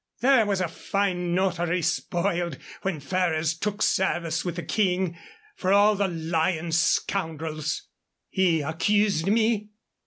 there was a fine notary spoiled when Ferrers took service with the King. For all the lyin' scoundrels " "He accused me?"